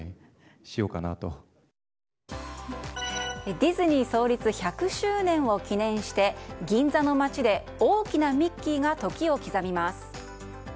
ディズニー創立１００周年を記念して銀座の街で大きなミッキーが時を刻みます。